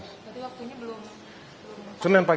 tapi waktu ini belum